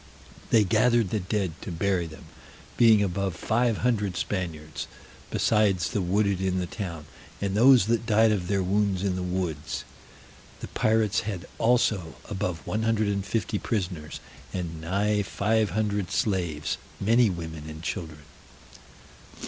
They gathered the dead to bury them, being above five hundred Spaniards, besides the wounded in the town, and those that died of their wounds in the woods. The pirates had also above one hundred and fifty prisoners, and nigh five hundred slaves, many women and children.